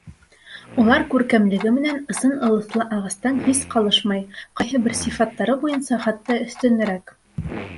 Улар күркәмлеге менән ысын ылыҫлы ағастан һис ҡалышмай, ҡайһы бер сифаттары буйынса хатта өҫтөнөрәк.